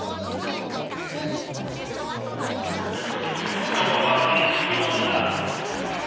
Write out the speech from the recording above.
見事バーディー、１４アンダー。